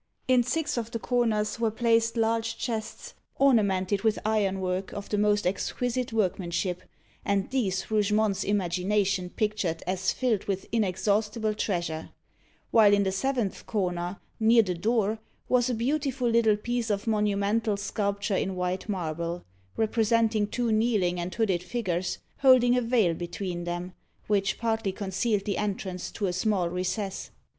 In six of the corners were placed large chests, ornamented with ironwork of the most exquisite workmanship, and these Rougemont's imagination pictured as filled with inexhaustible treasure; while in the seventh corner, near the door, was a beautiful little piece of monumental sculpture in white marble, representing two kneeling and hooded figures, holding a veil between them, which partly concealed the entrance to a small recess.